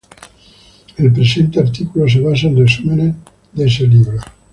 El presente artículo se basa en resúmenes ese libro.